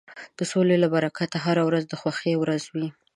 د سولې له برکته هره ورځ د خوښۍ ورځ وي.